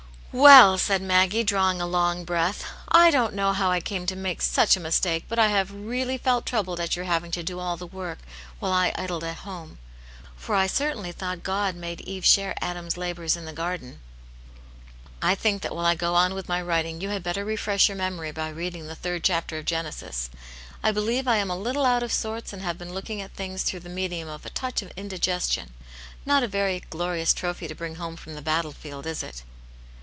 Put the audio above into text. *' Well," said Maggie, drawing a long breath, " I don't know how I came to make such a mistake, but I have really felt troubled at your having to do all the work, while I idle at home. For I certainly thought God made Eve share Adam's labours in the garden." " I think that while I go on with my writing, you had better refresh your memory by reading the third chapter of Genesis. I believe I am a little out of sorts, and have been looking at things through the medium of a touch of indigestion. Not a very glorious trophy to bring home from the battle field, is it?"